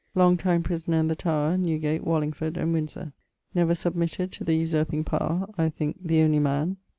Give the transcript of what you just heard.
Long time prisoner in the Tower, Newgate, Wallingford, and Windsore. Never submitted to the usurping power (I thinke, the only man).